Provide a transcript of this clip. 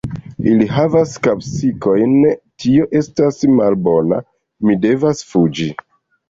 Ili havas kapsikojn tio estas malbona; mi devas fuĝi